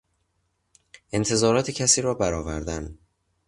انتظارات کسی را برآوردن